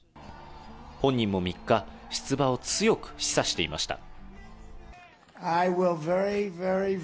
本人も３日、出馬を強く示唆していました。